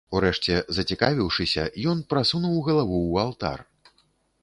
Урэшце, зацікавіўшыся, ён прасунуў галаву ў алтар.